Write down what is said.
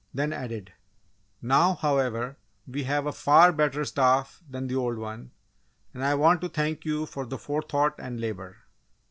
Then added: "Now, however, we have a far better staff than the old one and I want to thank you for the forethought and labour."